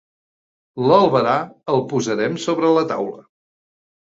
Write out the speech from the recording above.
L'albarà el posarem sobre la taula.